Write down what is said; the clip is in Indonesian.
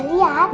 cik yang bagus